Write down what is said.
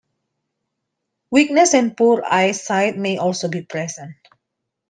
Weakness and poor eyesight may also be present.